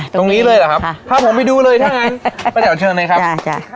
ตรงนี้เลยหรือครับพาผมไปดูเลยถ้าอย่างนั้นมาเจอกันเชิงหน่อยครับค่ะ